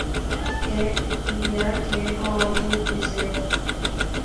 — Керек лӱя, керек-мо — мый кӱзем!